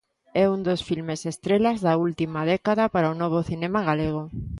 É un dos filmes estrela da última década para o Novo cinema galego.